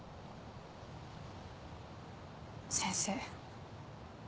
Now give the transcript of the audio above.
先生。